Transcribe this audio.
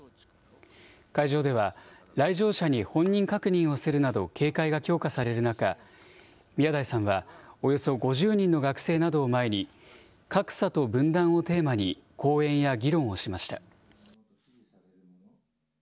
会場では、来場者に本人確認をするなど警戒が強化される中、宮台さんはおよそ５０人の学生などを前に、格差と分断をテーマに講演や議論をしました。